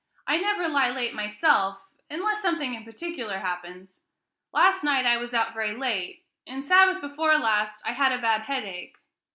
"I never lie late myself unless something in particular happens. Last night I was out very late, and Sabbath before last I had a bad headache."